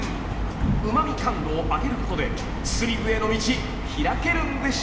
うま味感度を上げることでスリムへの道ひらけるんでしょうか？